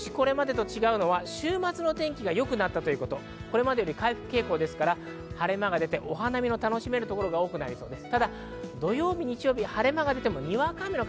少しこれまでと違うのは、週末の天気が良くなったということ、回復傾向ですから晴れ間が出て、お花見を楽しめるところが多くなりそうです。